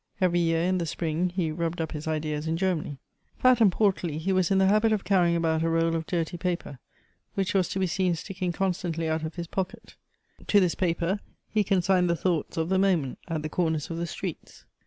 Every year, in the spring, he rubbed up his ideas in Germany. Fat and portly, he was in the habit of carrying about a roll of dirty paper, which was to be seen sticking constantly out of his pocket ; to this paper he consigned the thoughts of the moment, at the comers of the streets.